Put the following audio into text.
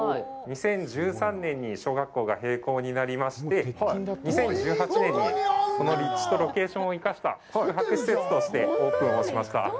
２０１３年に小学校が閉校になりまして、２０１８年にこの立地とロケーションを生かした宿泊施設としてオープンをしました。